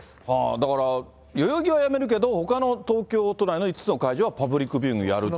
だから、代々木はやめるけど、ほかの東京都内の５つの会場はパブリックビューイングやると。